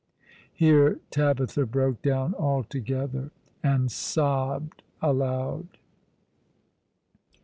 Here Tabitha broke down altogether, and sobbed aloud.